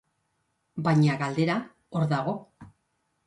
Baina galdera hor dago.